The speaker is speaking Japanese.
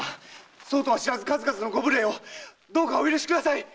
そうとは知らず数々のご無礼をお許しください！